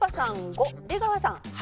５出川さん